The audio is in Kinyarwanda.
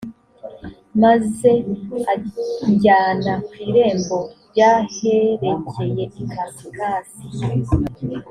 maze anjyana ku irembo ry aherekeye ikasikazi